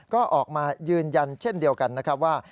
ก็ออกมายืนยันเช่นเดียวกันนะครับว่า